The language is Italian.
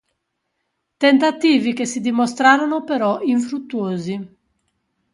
Tentativi che si dimostrarono però infruttuosi.